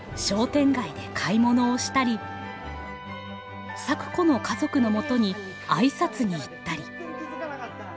商店街で買い物をしたり咲子の家族のもとに挨拶に行ったり。